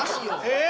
え？